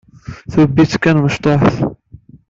Tubbit kan tamecṭuḥt.